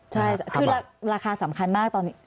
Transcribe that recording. ใช่คือราคาสำคัญมากตอนนี้